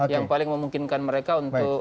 yang paling memungkinkan mereka untuk